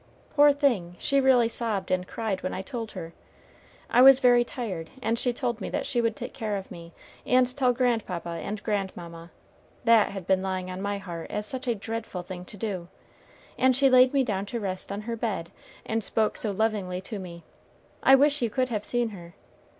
Poor thing, she really sobbed and cried when I told her. I was very tired, and she told me she would take care of me, and tell grandpapa and grandmamma, that had been lying on my heart as such a dreadful thing to do, and she laid me down to rest on her bed, and spoke so lovingly to me! I wish you could have seen her.